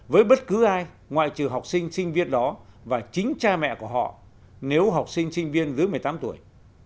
với bất cứ ai ngoại trừ học sinh sinh viên đó và chính cha mẹ của họ nếu học sinh sinh viên dưới một mươi tám tuổi